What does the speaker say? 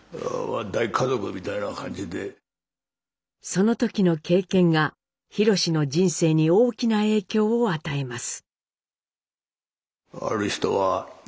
その時の経験が宏の人生に大きな影響を与えます。